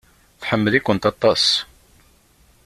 Tḥemmel-ikent aṭas.